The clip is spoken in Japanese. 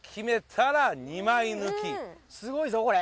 すごいぞこれ。